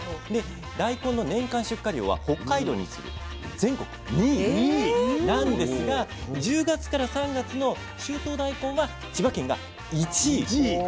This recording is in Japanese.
で大根の年間出荷量は北海道に次ぐ全国２位なんですが１０月から３月の秋冬大根は千葉県が１位なんですね。